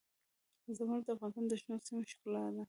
زمرد د افغانستان د شنو سیمو ښکلا ده.